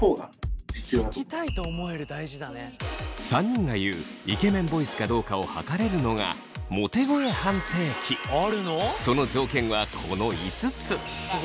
３人が言うイケメンボイスかどうかを測れるのがその条件はこの５つ。